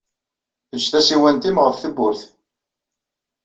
Ejj tasiwant-nnem ɣef tewwurt.